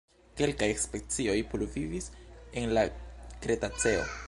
Kelkaj specioj pluvivis en la Kretaceo.